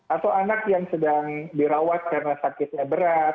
atau anak yang sedang dirawat karena sakitnya berat